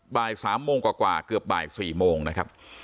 บ่าย๓โมงกว่าเกือบบ่าย๔โมงนะครับ